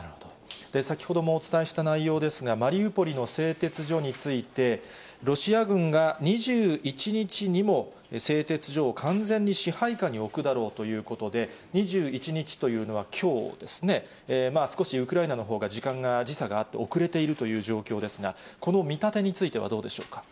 先ほどもお伝えした内容ですが、マリウポリの製鉄所について、ロシア軍が２１日にも製鉄所を完全に支配下に置くだろうということで、２１日というのはきょうですね、少しウクライナのほうが時間が、時差があって遅れているという状況ですが、この見立てについてはどうでしょうか？